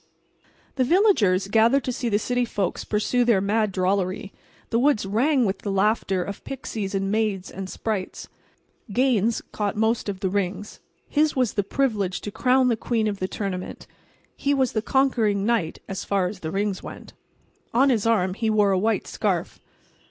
The villagers gathered to see the city folks pursue their mad drollery. The woods rang with the laughter of pixies and naiads and sprites. Gaines caught most of the rings. His was the privilege to crown the queen of the tournament. He was the conquering knight—as far as the rings went. On his arm he wore a white scarf.